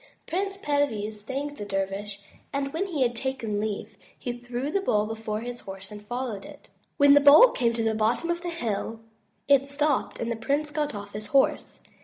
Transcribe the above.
Prince Perviz thanked the dervish and when he had taken leave, he threw the bowl before his horse and followed it. When the bowl came to the bottom of the hill, it stopped and the prince got off his horse.